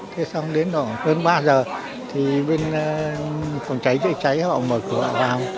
thế xong đến khoảng hơn ba giờ thì bên phòng cháy chữa cháy họ mở cửa vào